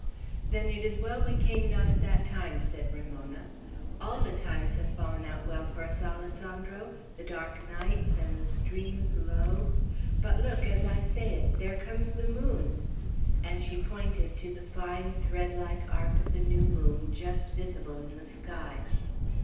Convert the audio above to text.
"Then it is well we came not at that time," said Ramona, "All the times have fallen out well for us, Alessandro, the dark nights, and the streams low; but look! as I say it, there comes the moon!" and she pointed to the fine threadlike arc of the new moon, just visible in the sky.